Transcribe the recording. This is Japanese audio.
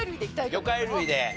魚介類で。